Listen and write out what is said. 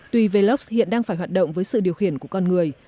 tuy velox hiện đang phải hoạt động với sự điều khiển của con người